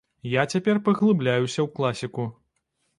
Я цяпер паглыбляюся ў класіку.